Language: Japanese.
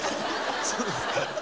そうですか？